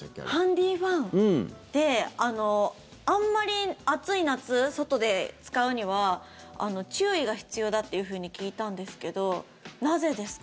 ハンディーファンってあんまり暑い夏、外で使うには注意が必要だっていうふうに聞いたんですけどなぜですか？